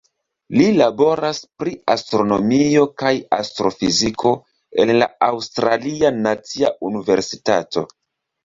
Li laboras pri astronomio kaj astrofiziko en la Aŭstralia Nacia Universitato.